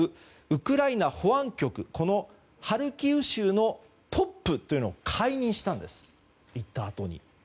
ウクライナ保安局ハルキウ州のトップというのを解任したんです、行ったあとに。